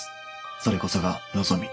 それこそが望み。